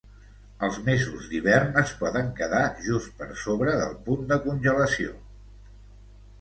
Els mesos d'hivern es poden quedar just per sobre del punt de congelació.